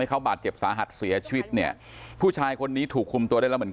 ให้เขาบาดเจ็บสาหัสเสียชีวิตเนี่ยผู้ชายคนนี้ถูกคุมตัว